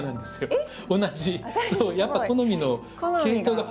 えっ。